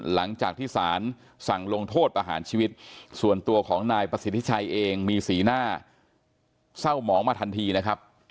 หลังจากที่สารสั่งลงโทษประหารชีวิตส่วนตัวของนายประสิทธิชัยเองมีสีหน้าเศร้าหมองมาทันทีนะครับ